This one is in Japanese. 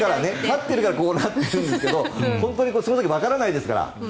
勝ってるからこうなってるんだけど本当にその時はわからないですから。